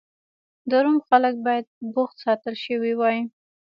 د روم خلک باید بوخت ساتل شوي وای